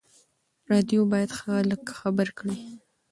راډیو باید خلک خبر کړي.